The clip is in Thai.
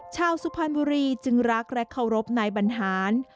ชาวสุพันบุรีจึงรักและเคารพในบรรหารศิลป์